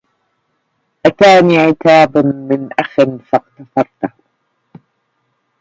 أتاني عتاب من أخ فاغتفرته